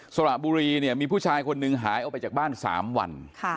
สระบุรีเนี่ยมีผู้ชายคนหนึ่งหายออกไปจากบ้าน๓วัน